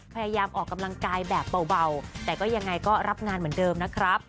พยายามออกกำลังกายแบบเบาแต่ก็ยังไงก็รับงานเหมือนเดิมนะครับ